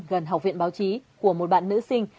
gần học viện báo chí của một bạn nữ sinh